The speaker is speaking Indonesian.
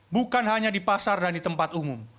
bukan hanya di pasar dan di tempat umum